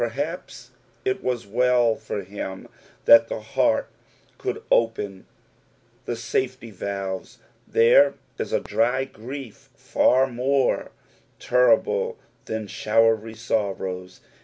Perhaps it was well for him that the heart could open the safety valves ; there is a dry grief far mote terrible than showery sorrows.